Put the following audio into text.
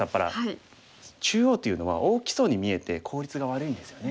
中央というのは大きそうに見えて効率が悪いんですよね。